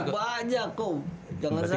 jangan salah sekarang banyak sekarang banyak